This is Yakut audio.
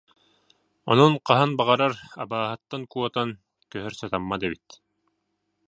Онон хаһан баҕарар абааһыттан куотан көһөр сатаммат эбит